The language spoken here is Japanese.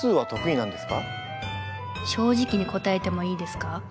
正直に答えてもいいですか？